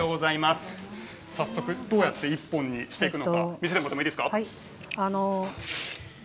早速どうやって１本にしていくか見せてもらってもいいですか。